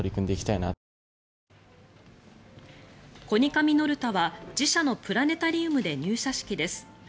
コニカミノルタは自社のプラネタリウムで入社式です。